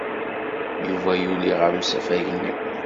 Yuba yuli ɣer usafag-nni.